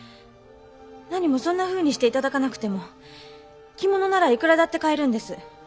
なにもそんなふうにして頂かなくても着物ならいくらだって買えるんです。